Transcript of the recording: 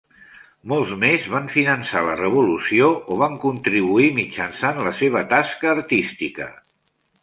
Molts més van finançar la revolució o van contribuir mitjançant la seva tasca artística.